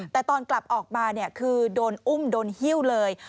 แต่ตอนกลับออกมาคือโดนอุ้มโดนหิ้วเลย